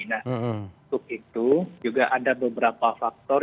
nah untuk itu juga ada beberapa faktor